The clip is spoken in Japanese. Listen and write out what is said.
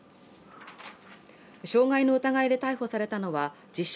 傷害の疑いで逮捕されたのは自称